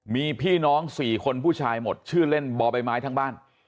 มีพี่น้อง๔คนผู้ชายหมดชื่อเล่นบ่อใบไม้ทั้งบ้าน